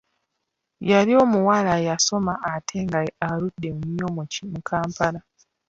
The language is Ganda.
Yali muwala yasoma ate nga aludde nnyo mu Kampala.